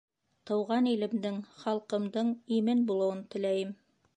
Тыуған илемдең, халҡымдың имен булыуын теләйем.